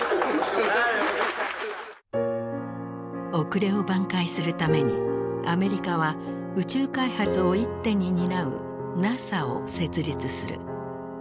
遅れを挽回するためにアメリカは宇宙開発を一手に担うＮＡＳＡを設立する。